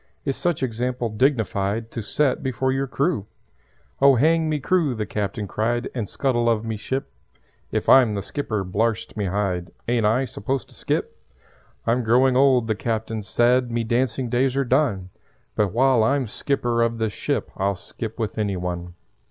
Is such example dignified To set before your crew?" "Oh hang me crew," the Captain cried, "And scuttle of me ship. If I'm the skipper, blarst me hide! Ain't I supposed to skip? "I'm growing old," the Captain said; "Me dancing days are done; But while I'm skipper of this ship I'll skip with any one.